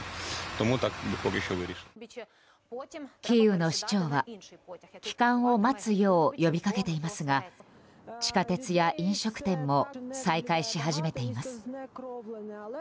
キーウの市長は帰還を待つよう呼びかけていますが地下鉄や飲食店も再開し始めています。